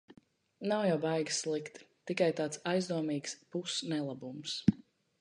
Nav jau baigi slikti, tikai tāds aizdomīgs pus-nelabums.